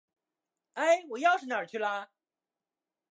哎，我钥匙哪儿去了？